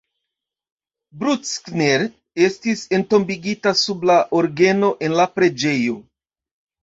Bruckner estis entombigita sub la orgeno en la preĝejo.